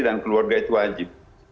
dan keluarga itu wajib